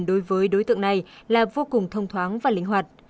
đối với đối tượng này là vô cùng thông thoáng và linh hoạt